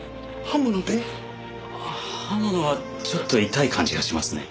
刃物はちょっと痛い感じがしますね。